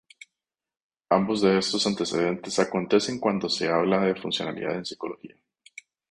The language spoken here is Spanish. Ambos de estos antecedentes acontecen cuando se habla de funcionalidad en psicología.